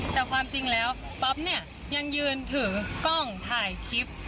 แต่ความจริงแล้วป๊อปเนี่ยยังยืนถือกล้องถ่ายคลิป